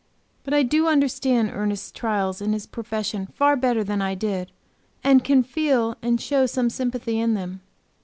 But I do understand Ernest's trials in his profession far better than I did, and can feel and show some sympathy in them.